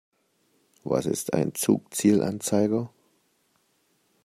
Was ist ein Zugzielanzeiger?